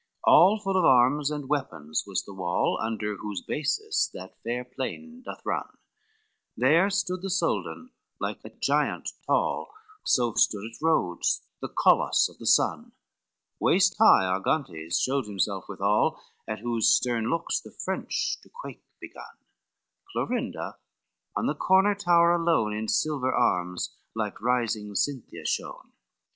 XXVII All full of arms and weapons was the wall, Under whose basis that fair plain doth run, There stood the Soldan like a giant tall, So stood at Rhodes the Coloss of the sun, Waist high, Argantes showed himself withal, At whose stern looks the French to quake begun, Clorinda on the corner tower alone, In silver arms like rising Cynthia shone.